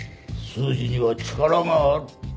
数字には力がある。